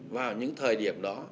vào những thời điểm đó